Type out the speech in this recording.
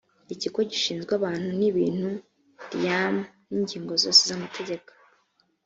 ikigo gishinzwe abantu n’ibintu riam n’ingingo zose z’amategeko